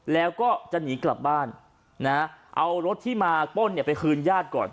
แล้วก็จะหนีกลับบ้านนะเอารถที่มาป้นเนี่ยไปคืนญาติก่อน